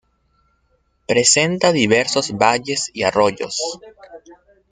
Presenta diversos valles y arroyos.